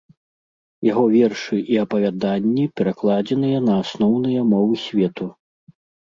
Яго вершы і апавяданні перакладзеныя на асноўныя мовы свету.